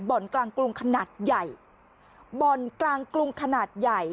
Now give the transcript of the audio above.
กลางกรุงขนาดใหญ่บ่อนกลางกรุงขนาดใหญ่